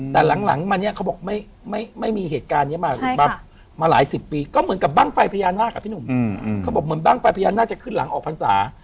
แต่หลังมาเนี่ยเขาบอกไม่มีเหตุการณ์นี้มาหลายสิบปีก็เหมือนกับบ้างไฟพญานาคอ่ะพี่หนุ่มเขาบอกเหมือนบ้างไฟพญานาคจะขึ้นหลังออกพรรษา